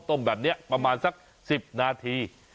ต้มแบบนี้ประมาณสัก๑๐นาที